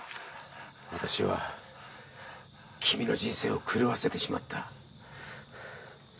私は君の人生を狂わせてしまった。